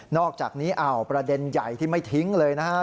อกจากนี้ประเด็นใหญ่ที่ไม่ทิ้งเลยนะครับ